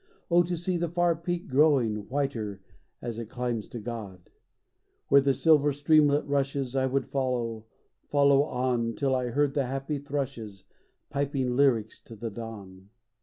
Oh, to see the far peak growing Whiter as it climbs to God ! Where the silver streamlet rushes I would follow — follow on Till I heard the happy thrushes Piping lyrics to the dawn.